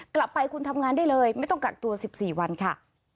กลับไปคุณทำงานได้เลยไม่ต้องกักตัว๑๔วันค่ะ